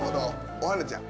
おはなちゃん。